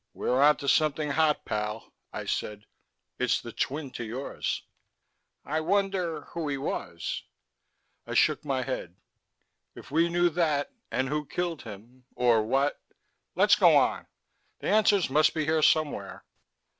"We're onto something hot, pal," I said. "It's the twin to yours." "I wonder ... who he was." I shook my head. "If we knew that and who killed him or what " "Let's go on. The answers must be here somewhere."